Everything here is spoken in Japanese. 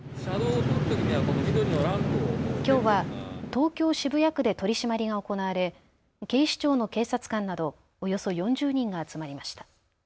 きょうは東京渋谷区で取締りが行われ警視庁の警察官などおよそ４０人が集まりました。